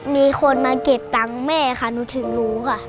มีคนมาเก็บตังค์แม่ค่ะหนูถึงรู้ค่ะ